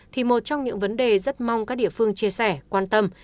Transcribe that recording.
thì một trong những vấn đề rất mong các địa phương chia sẻ quan tâm